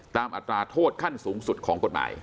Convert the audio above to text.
อัตราโทษขั้นสูงสุดของกฎหมาย